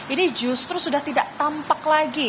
ini justru sudah tidak tampak lagi